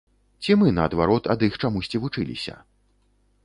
Ці мы, наадварот, ад іх чамусьці вучыліся?